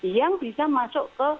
yang bisa masuk ke